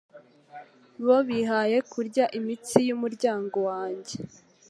bo bihaye kurya imitsi y’umuryango wanjye